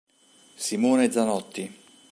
Simone Zanotti